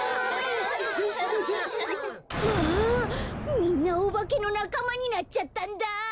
みんなおばけのなかまになっちゃったんだ！